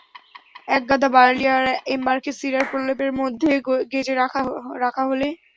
এক গাদা বার্লি আর এম্বারকে শিরার প্রলেপের মধ্যে গেঁজে রাখা হলে।